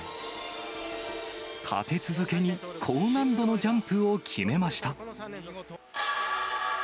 立て続けに高難度のジャンプを決めました。